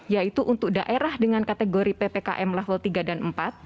yaitu untuk daerah dengan kategori ppkm level tiga dan empat